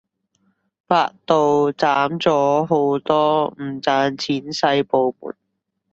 百度斬咗好多唔賺錢細部門